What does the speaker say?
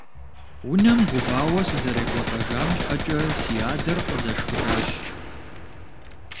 Унэм гувауэ сызэрекӀуэлӏэжам щхьэкӀэ си адэр къызэшхыдащ.